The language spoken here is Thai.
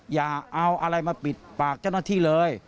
อย่าเอาอะไรมาปิดปากเจ้าหน้าที่เลย